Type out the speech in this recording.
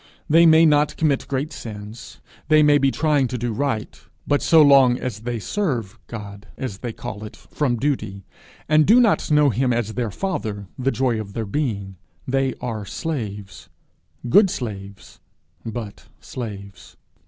They may not commit great sins; they may be trying to do right; but so long as they serve God, as they call it, from duty, and do not know him as their father, the joy of their being, they are slaves good slaves, but slaves.